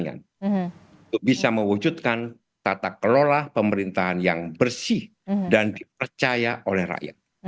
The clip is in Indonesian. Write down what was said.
untuk bisa mewujudkan tata kelola pemerintahan yang bersih dan dipercaya oleh rakyat